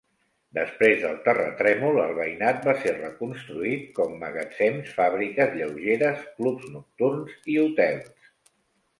Després del terratrèmol, el veïnat va ser reconstruït com magatzems, fàbriques lleugeres, clubs nocturns i hotels.